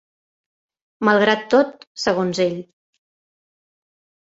Malgrat tot segons ell.